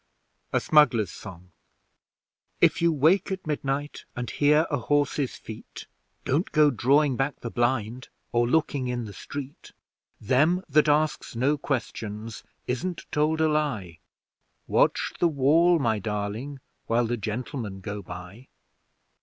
A SMUGGLERS' SONG If You wake at midnight, and hear a horse's feet, Don't go drawing back the blind, or looking in the street, Them that asks no questions isn't told a lie. Watch the wall, my darling, while the Gentlemen go by!